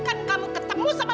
terima kasih mama